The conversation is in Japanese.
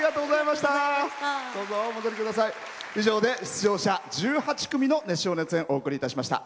以上で出場者１８組の熱唱・熱演、お送りいたしました。